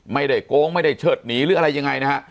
ไม่ได้โกงไม่ได้เชิดหนีหรืออะไรยังไงนะฮะ